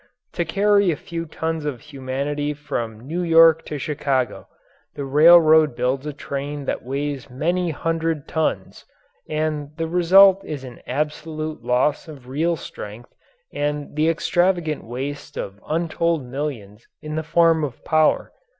To carry a few tons of humanity from New York to Chicago, the railroad builds a train that weighs many hundred tons, and the result is an absolute loss of real strength and the extravagant waste of untold millions in the form of power.